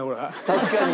確かに。